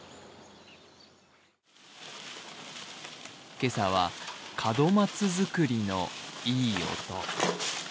今朝は門松づくりのいい音。